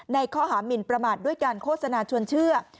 ในข้อหามินประมาทด้วยการโฆษณาชวนเชื่อ